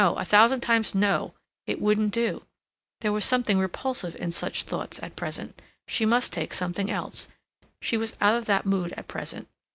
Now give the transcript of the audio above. A thousand times no!—it wouldn't do; there was something repulsive in such thoughts at present; she must take something else; she was out of that mood at present.